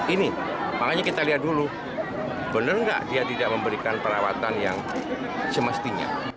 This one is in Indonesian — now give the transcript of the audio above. ini makanya kita lihat dulu benar nggak dia tidak memberikan perawatan yang semestinya